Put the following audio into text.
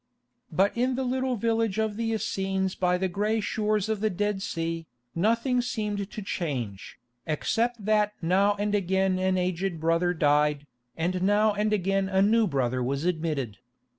But in the little village of the Essenes by the grey shores of the Dead Sea, nothing seemed to change, except that now and again an aged brother died, and now and again a new brother was admitted.